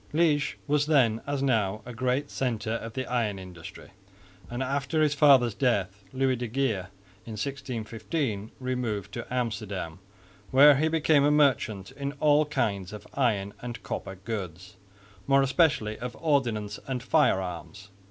Liège was then, as now, a great centre of the iron industry; and after his father's death Louis de Geer in 1615 removed to Amsterdam, where he became a merchant in all kinds of iron and copper goods, more especially of ordnance and fire arms.